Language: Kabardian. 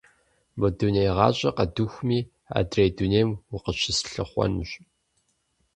Мы дуней гъащӏэр къэдухми, адрей дунейм укъыщыслъыхъуэнущ.